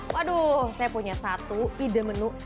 waduh saya punya satu ide menu